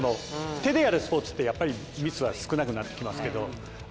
手でやるスポーツってミスは少なくなってきますけどあ